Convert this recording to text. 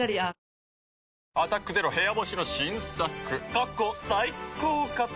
過去最高かと。